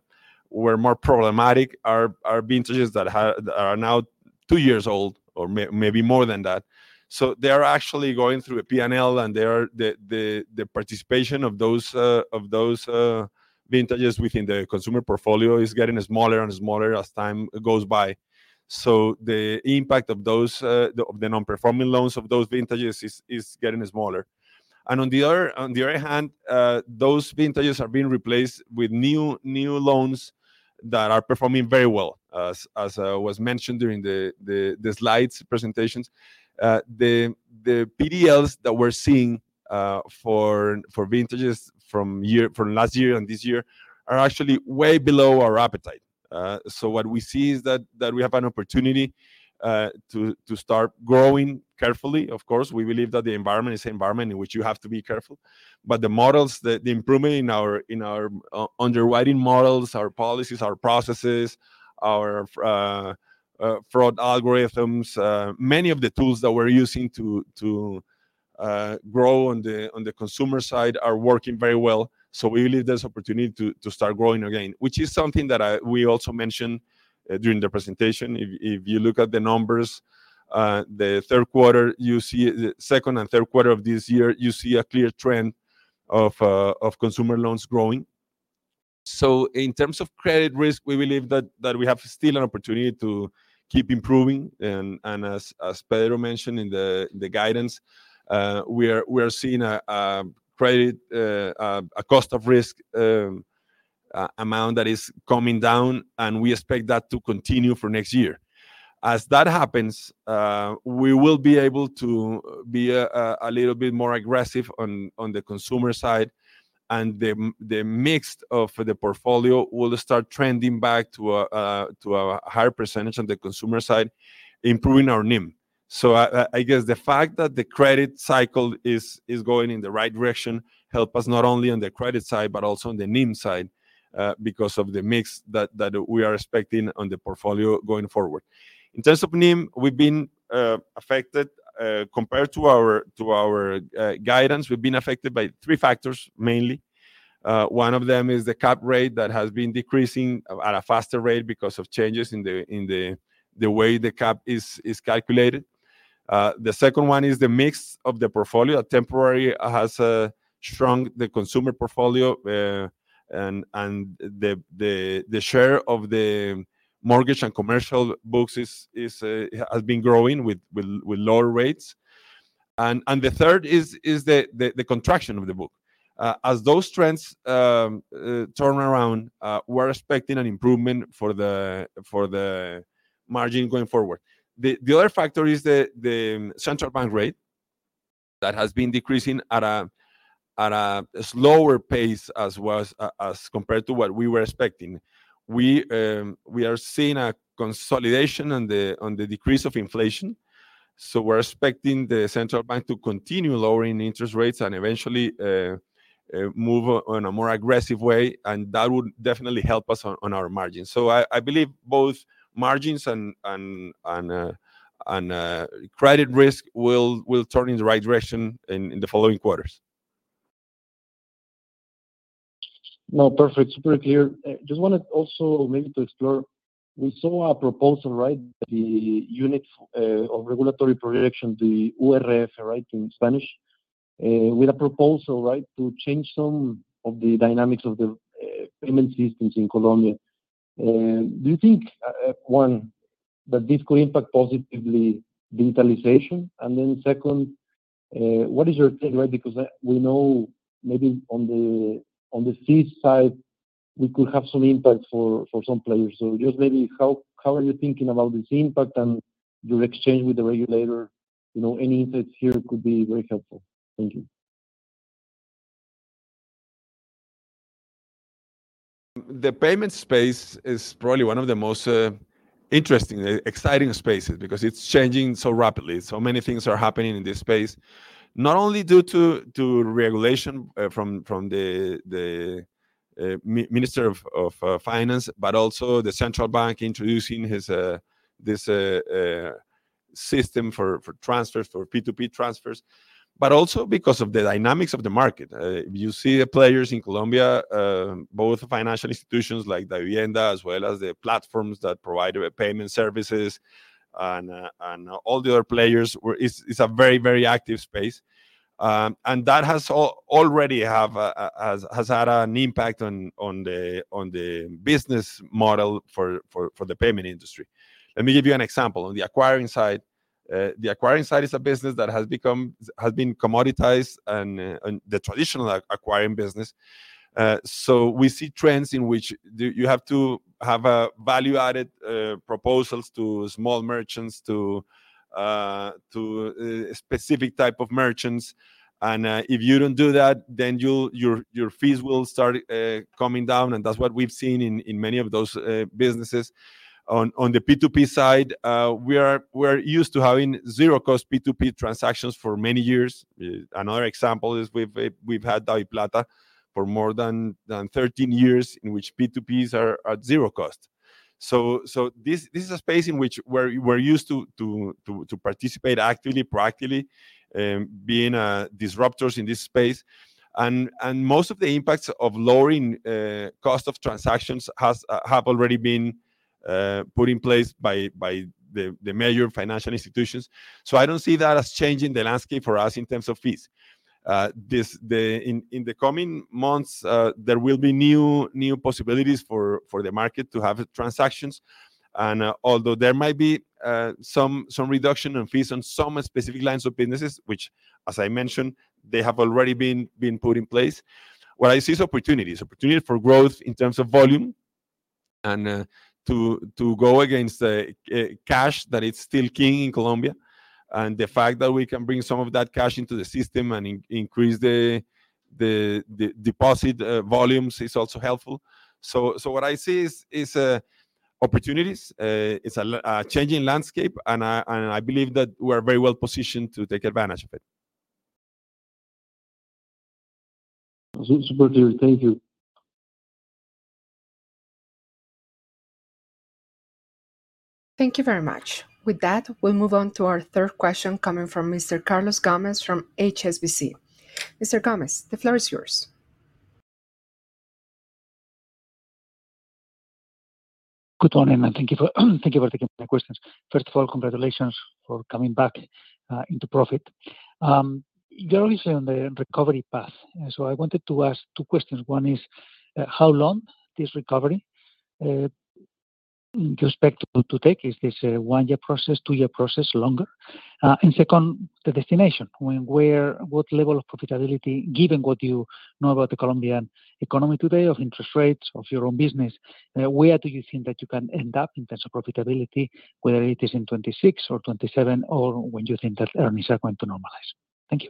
were more problematic are vintages that are now two years old or maybe more than that. So they are actually going through a P&L, and the participation of those vintages within the consumer portfolio is getting smaller and smaller as time goes by. So the impact of the non-performing loans of those vintages is getting smaller. And on the other hand, those vintages are being replaced with new loans that are performing very well, as was mentioned during the slides presentations. The PDLs that we're seeing for vintages from last year and this year are actually way below our appetite. So what we see is that we have an opportunity to start growing carefully. Of course, we believe that the environment is an environment in which you have to be careful. But the models, the improvement in our underwriting models, our policies, our processes, our fraud algorithms, many of the tools that we're using to grow on the consumer side are working very well. So we believe there's opportunity to start growing again, which is something that we also mentioned during the presentation. If you look at the numbers, the third quarter, you see the second and third quarter of this year, you see a clear trend of consumer loans growing. So in terms of credit risk, we believe that we have still an opportunity to keep improving. And as Pedro mentioned in the guidance, we are seeing a credit, a cost of risk amount that is coming down, and we expect that to continue for next year. As that happens, we will be able to be a little bit more aggressive on the consumer side, and the mix of the portfolio will start trending back to a higher percentage on the consumer side, improving our NIM. So I guess the fact that the credit cycle is going in the right direction helps us not only on the credit side, but also on the NIM side because of the mix that we are expecting on the portfolio going forward. In terms of NIM, we've been affected compared to our guidance, we've been affected by three factors mainly. One of them is the cap rate that has been decreasing at a faster rate because of changes in the way the cap is calculated. The second one is the mix of the portfolio. Temporarily, it has shrunk the consumer portfolio, and the share of the mortgage and commercial books has been growing with lower rates. And the third is the contraction of the book. As those trends turn around, we're expecting an improvement for the margin going forward. The other factor is the central bank rate that has been decreasing at a slower pace as compared to what we were expecting. We are seeing a consolidation on the decrease of inflation. So we're expecting the central bank to continue lowering interest rates and eventually move in a more aggressive way, and that would definitely help us on our margins. So I believe both margins and credit risk will turn in the right direction in the following quarters. No, perfect. Super clear. Just wanted also maybe to explore, we saw a proposal, right, the unit of regulatory projection, the URF, right, in Spanish, with a proposal, right, to change some of the dynamics of the payment systems in Colombia. Do you think, one, that this could impact positively digitalization? And then second, what is your take, right? Because we know maybe on the fees side, we could have some impact for some players, so just maybe how are you thinking about this impact and your exchange with the regulator? Any insights here could be very helpful. Thank you. The payment space is probably one of the most interesting, exciting spaces because it's changing so rapidly, so many things are happening in this space, not only due to regulation from the Minister of Finance, but also the central bank introducing this system for transfers, for P2P transfers, but also because of the dynamics of the market. You see the players in Colombia, both financial institutions like Davivienda, as well as the platforms that provide payment services and all the other players. It's a very, very active space, and that has already had an impact on the business model for the payment industry. Let me give you an example. On the acquiring side, the acquiring side is a business that has been commoditized and the traditional acquiring business. So we see trends in which you have to have value-added proposals to small merchants, to specific types of merchants. And if you don't do that, then your fees will start coming down, and that's what we've seen in many of those businesses. On the P2P side, we're used to having zero-cost P2P transactions for many years. Another example is we've had DaviPlata for more than 13 years in which P2Ps are at zero cost. So this is a space in which we're used to participate actively, proactively, being disruptors in this space. And most of the impacts of lowering cost of transactions have already been put in place by the major financial institutions. So I don't see that as changing the landscape for us in terms of fees. In the coming months, there will be new possibilities for the market to have transactions, and although there might be some reduction in fees on some specific lines of businesses, which, as I mentioned, they have already been put in place, what I see is opportunities, opportunities for growth in terms of volume and to go against cash that is still king in Colombia, and the fact that we can bring some of that cash into the system and increase the deposit volumes is also helpful, so what I see is opportunities. It's a changing landscape, and I believe that we're very well positioned to take advantage of it. Super clear. Thank you. Thank you very much. With that, we'll move on to our third question coming from Mr. Carlos Gomez from HSBC. Mr. Gomez, the floor is yours. Good morning, and thank you for taking my questions. First of all, congratulations for coming back into profit. You're obviously on the recovery path. So I wanted to ask two questions. One is, how long this recovery in respect to take? Is this a one-year process, two-year process, longer? And second, the destination. What level of profitability, given what you know about the Colombian economy today, of interest rates, of your own business, where do you think that you can end up in terms of profitability, whether it is in 2026 or 2027, or when you think that earnings are going to normalize? Thank you.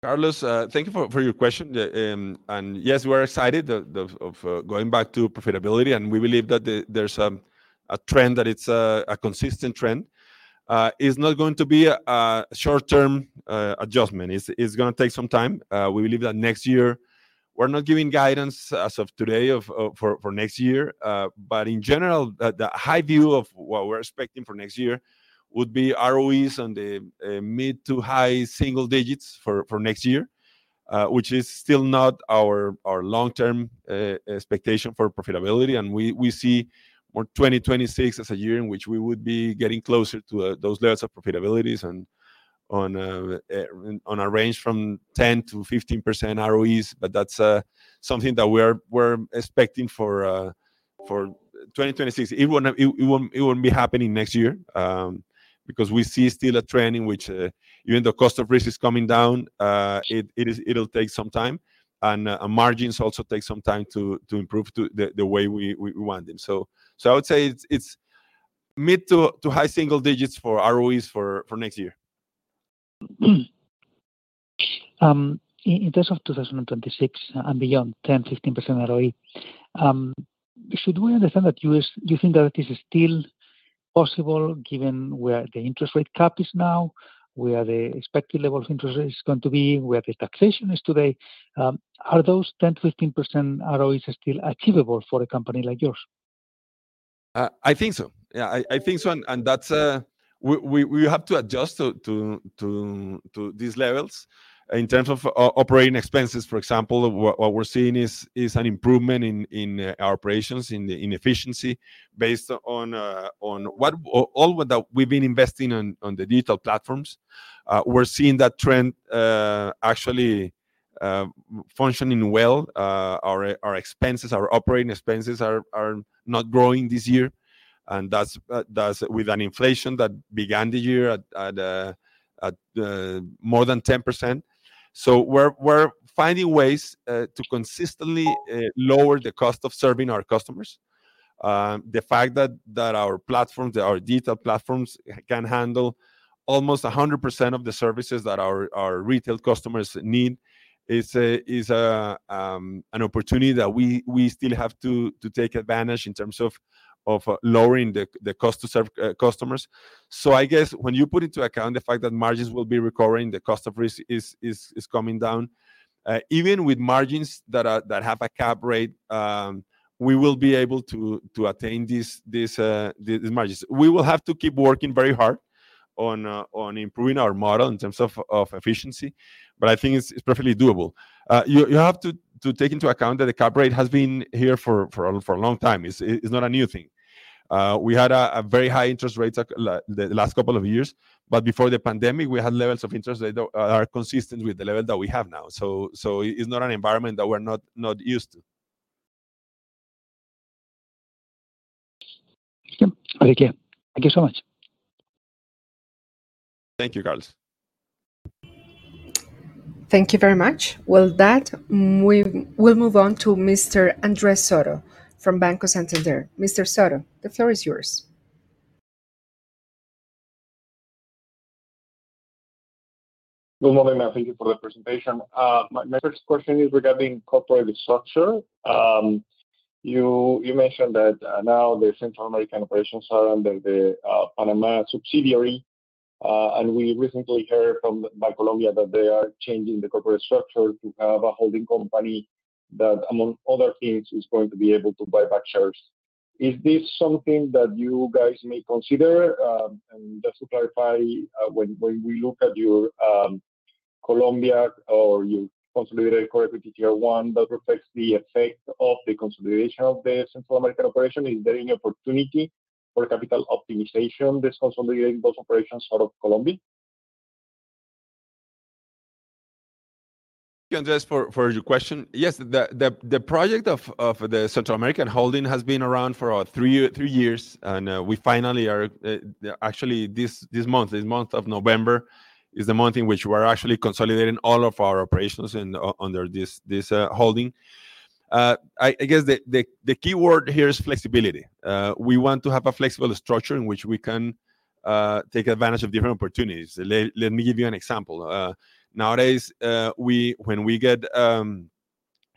Carlos, thank you for your question. And yes, we're excited of going back to profitability, and we believe that there's a trend that it's a consistent trend. It's not going to be a short-term adjustment. It's going to take some time. We believe that next year, we're not giving guidance as of today for next year. In general, the high view of what we're expecting for next year would be ROAE in the mid to high single digits for next year, which is still not our long-term expectation for profitability. We see 2026 as a year in which we would be getting closer to those levels of profitabilities on a range from 10%-15% ROAE, but that's something that we're expecting for 2026. It won't be happening next year because we see still a trend in which even though cost of risk is coming down, it'll take some time. Margins also take some time to improve the way we want them. I would say it's mid to high single digits for ROAE for next year. In terms of 2026 and beyond, 10%-15% ROE, should we understand that you think that it is still possible given where the interest rate cap is now, where the expected level of interest rate is going to be, where the taxation is today? Are those 10%-15% ROEs still achievable for a company like yours? I think so. Yeah, I think so. And we have to adjust to these levels. In terms of operating expenses, for example, what we're seeing is an improvement in our operations, in efficiency, based on all that we've been investing on the digital platforms. We're seeing that trend actually functioning well. Our operating expenses are not growing this year. And that's with an inflation that began the year at more than 10%. So we're finding ways to consistently lower the cost of serving our customers. The fact that our digital platforms can handle almost 100% of the services that our retail customers need is an opportunity that we still have to take advantage in terms of lowering the cost to customers. So I guess when you take into account the fact that margins will be recovering, the cost of risk is coming down. Even with margins that have a cap rate, we will be able to attain these margins. We will have to keep working very hard on improving our model in terms of efficiency, but I think it's perfectly doable. You have to take into account that the cap rate has been here for a long time. It's not a new thing. We had very high interest rates the last couple of years, but before the pandemic, we had levels of interest that are consistent with the level that we have now. So it's not an environment that we're not used to. Thank you. Thank you so much. Thank you, Carlos. Thank you very much. With that, we'll move on to Mr. Andres Soto from Banco Santander. Mr. Soto, the floor is yours. Good morning, and thank you for the presentation. My first question is regarding corporate structure. You mentioned that now the Central American operations are under the Panama subsidiary, and we recently heard in Colombia that they are changing the corporate structure to have a holding company that, among other things, is going to be able to buy back shares. Is this something that you guys may consider? And just to clarify, when we look at your Colombia or your consolidated core equity Tier 1, that reflects the effect of the consolidation of the Central American operation. Is there any opportunity for capital optimization that's consolidating those operations out of Colombia? Thank you, Andres, for your question. Yes, the project of the Central American holding has been around for three years, and we finally are actually this month. This month of November is the month in which we're actually consolidating all of our operations under this holding. I guess the key word here is flexibility. We want to have a flexible structure in which we can take advantage of different opportunities. Let me give you an example. Nowadays, when we get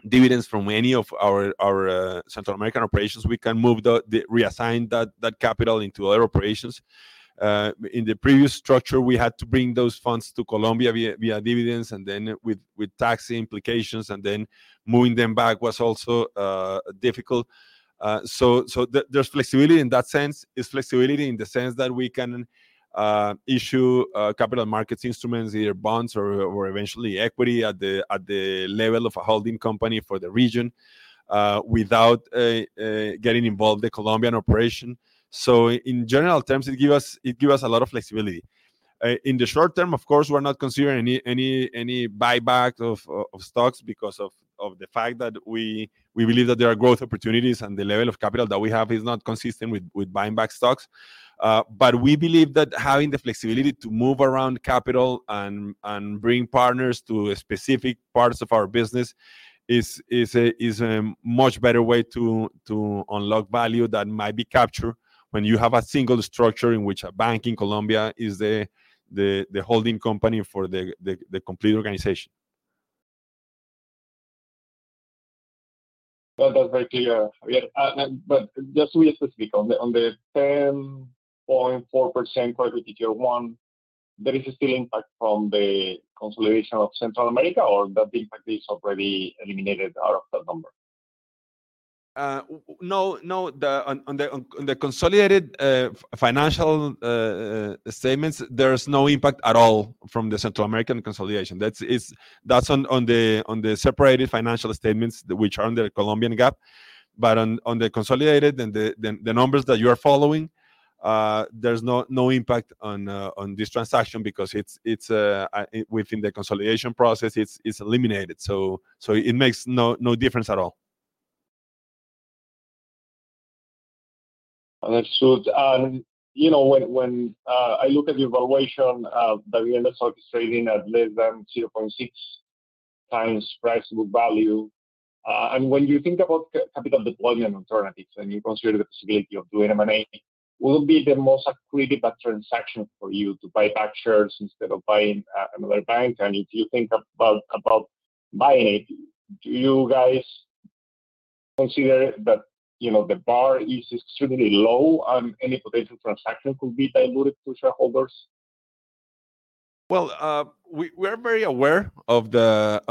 dividends from any of our Central American operations, we can reassign that capital into other operations. In the previous structure, we had to bring those funds to Colombia via dividends, and then with tax implications, and then moving them back was also difficult. So there's flexibility in that sense. It's flexibility in the sense that we can issue capital markets instruments, either bonds or eventually equity at the level of a holding company for the region without getting involved in the Colombian operation. So in general terms, it gives us a lot of flexibility. In the short term, of course, we're not considering any buyback of stocks because of the fact that we believe that there are growth opportunities and the level of capital that we have is not consistent with buying back stocks. But we believe that having the flexibility to move around capital and bring partners to specific parts of our business is a much better way to unlock value that might be captured when you have a single structure in which a bank in Colombia is the holding company for the complete organization. That's very clear. But just to be specific, on the 10.4% core equity Tier 1, there is still impact from the consolidation of Central America, or that impact is already eliminated out of that number? No, no. On the consolidated financial statements, there's no impact at all from the Central American consolidation. That's on the separated financial statements which are under the Colombian GAAP. But on the consolidated, the numbers that you are following, there's no impact on this transaction because within the consolidation process, it's eliminated. So it makes no difference at all. That's good. When I look at the evaluation, Davivienda is trading at less than 0.6 times price-to-book value. And when you think about capital deployment alternatives and you consider the possibility of doing M&A, would it be the most accretive transaction for you to buy back shares instead of buying another bank? And if you think about buying it, do you guys consider that the bar is extremely low and any potential transaction could be diluted to shareholders? Well, we are very aware of the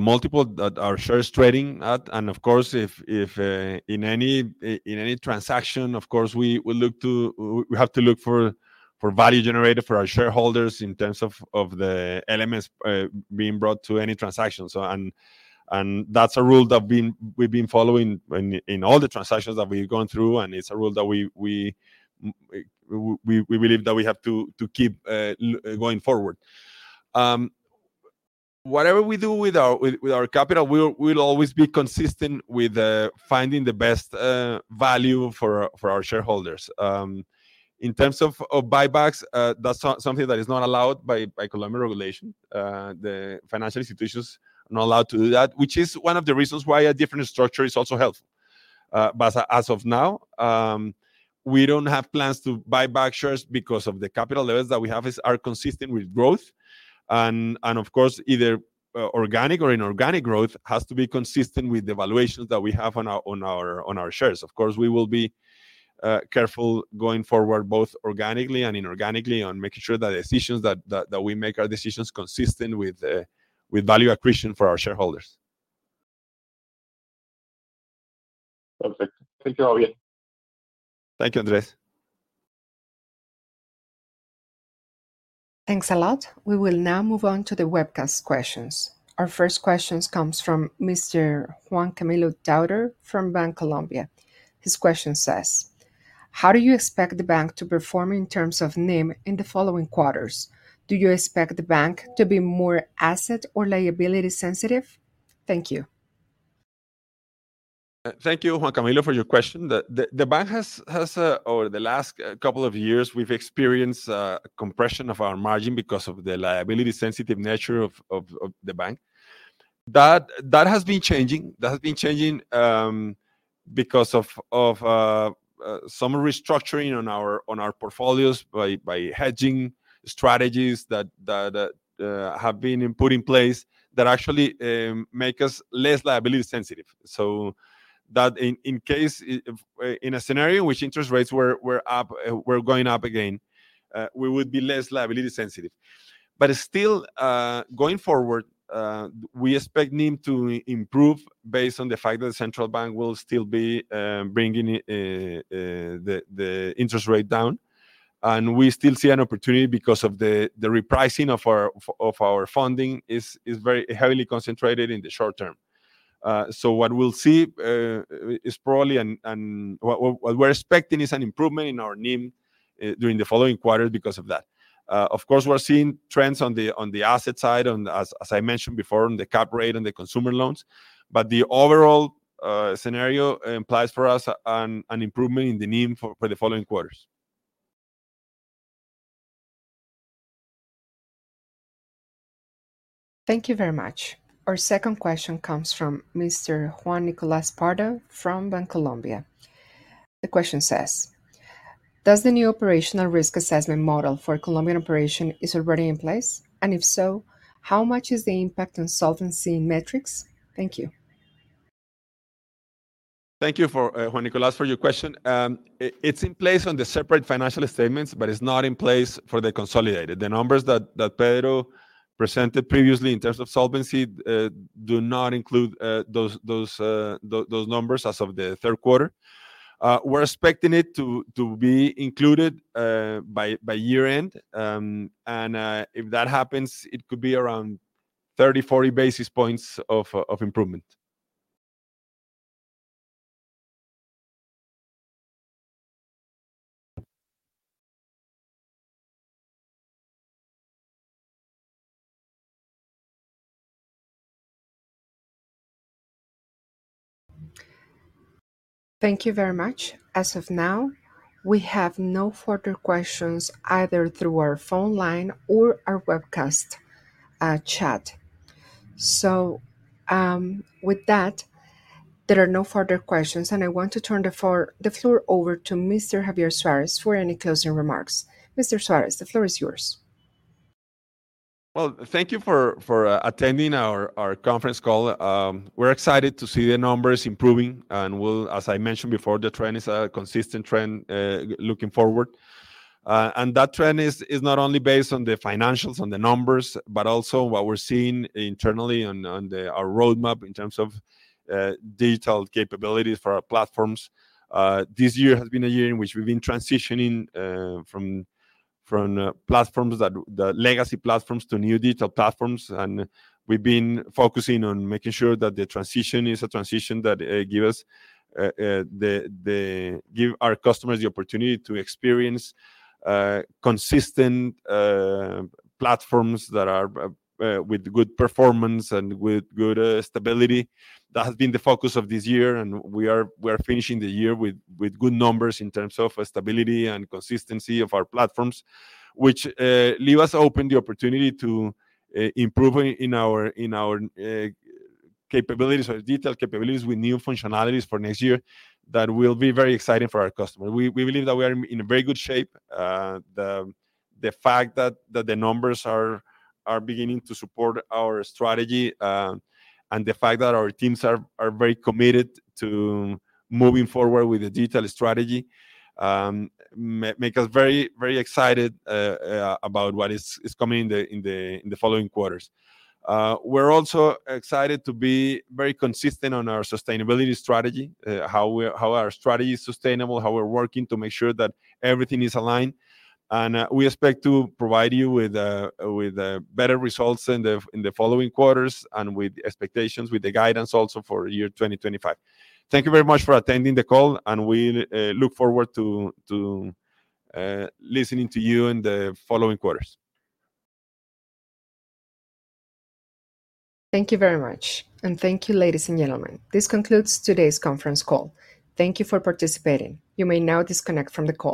multiple that our shares are trading at. And of course, in any transaction, of course, we have to look for value generated for our shareholders in terms of the elements being brought to any transaction. And that's a rule that we've been following in all the transactions that we've gone through, and it's a rule that we believe that we have to keep going forward. Whatever we do with our capital, we'll always be consistent with finding the best value for our shareholders. In terms of buybacks, that's something that is not allowed by Colombian regulation. The financial institutions are not allowed to do that, which is one of the reasons why a different structure is also helpful. But as of now, we don't have plans to buy back shares because the capital levels that we have are consistent with growth. And of course, either organic or inorganic growth has to be consistent with the valuations that we have on our shares. Of course, we will be careful going forward both organically and inorganically on making sure that we make our decisions consistent with value accretion for our shareholders. Perfect. Thank you all. Thank you, Andres. Thanks a lot. We will now move on to the webcast questions. Our first question comes from Mr. Juan Camilo Dauder from Bancolombia. His question says, "How do you expect the bank to perform in terms of NIM in the following quarters? Do you expect the bank to be more asset or liability sensitive?" Thank you. Thank you, Juan Camilo, for your question. The bank has, over the last couple of years, we've experienced a compression of our margin because of the liability-sensitive nature of the bank. That has been changing. That has been changing because of some restructuring on our portfolios by hedging strategies that have been put in place that actually make us less liability sensitive. So in a scenario in which interest rates were going up again, we would be less liability sensitive. But still, going forward, we expect NIM to improve based on the fact that the central bank will still be bringing the interest rate down. And we still see an opportunity because the repricing of our funding is very heavily concentrated in the short term. So what we'll see is probably what we're expecting is an improvement in our NIM during the following quarter because of that. Of course, we're seeing trends on the asset side, as I mentioned before, on the Cap Rate and the consumer loans. But the overall scenario implies for us an improvement in the NIM for the following quarters. Thank you very much. Our second question comes from Mr. Juan Nicolás Pardo from Bancolombia. The question says, "Does the new operational risk assessment model for Colombian operations already in place? And if so, how much is the impact on solvency and metrics?" Thank you. Thank you, Juan Nicolás, for your question. It's in place on the separate financial statements, but it's not in place for the consolidated. The numbers that Pedro presented previously in terms of solvency do not include those numbers as of the third quarter. We're expecting it to be included by year-end. And if that happens, it could be around 30-40 basis points of improvement. Thank you very much. As of now, we have no further questions either through our phone line or our webcast chat. So with that, there are no further questions, and I want to turn the floor over to Mr. Javier Suárez for any closing remarks. Mr. Suárez, the floor is yours. Well, thank you for attending our conference call. We're excited to see the numbers improving. And as I mentioned before, the trend is a consistent trend looking forward. And that trend is not only based on the financials and the numbers, but also what we're seeing internally on our roadmap in terms of digital capabilities for our platforms. This year has been a year in which we've been transitioning from legacy platforms to new digital platforms. We've been focusing on making sure that the transition is a transition that gives our customers the opportunity to experience consistent platforms that are with good performance and with good stability. That has been the focus of this year, and we are finishing the year with good numbers in terms of stability and consistency of our platforms, which leave us open the opportunity to improve in our capabilities, our digital capabilities with new functionalities for next year that will be very exciting for our customers. We believe that we are in very good shape. The fact that the numbers are beginning to support our strategy and the fact that our teams are very committed to moving forward with the digital strategy makes us very excited about what is coming in the following quarters. We're also excited to be very consistent on our sustainability strategy, how our strategy is sustainable, how we're working to make sure that everything is aligned, and we expect to provide you with better results in the following quarters and with expectations, with the guidance also for year 2025. Thank you very much for attending the call, and we look forward to listening to you in the following quarters. Thank you very much, and thank you, ladies and gentlemen. This concludes today's conference call. Thank you for participating. You may now disconnect from the call.